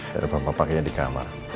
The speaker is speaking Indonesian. daripada papa pakainya di kamar